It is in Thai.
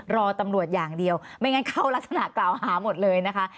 รอตำรวจอย่างเดียวไม่งั้นเข้ารักษณะกล่าวหาหมดเลยนะคะ